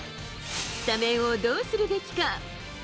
スタメンをどうするべきか。